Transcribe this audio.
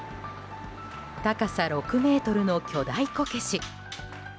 高さ６ｍの巨大こけし。